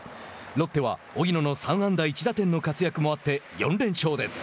ロッテは荻野の３安打１打点の活躍もあって４連勝です。